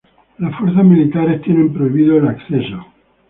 Las fuerzas militares tienen prohibido el acceso.